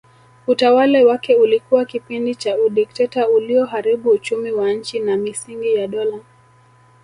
Utawala wake ulikuwa kipindi cha udikteta ulioharibu uchumi wa nchi na misingi ya dola